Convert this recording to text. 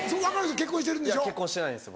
結婚してないんです僕。